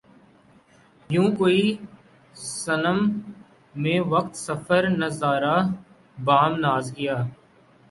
یوں کوئے صنم میں وقت سفر نظارۂ بام ناز کیا